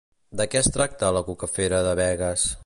De què es tracta la Cucafera de Begues?